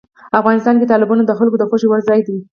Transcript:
افغانستان کې تالابونه د خلکو د خوښې وړ ځای دی.